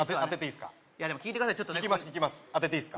いやでも聞いてください聞きます